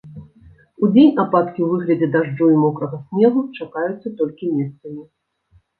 Удзень ападкі ў выглядзе дажджу і мокрага снегу чакаюцца толькі месцамі.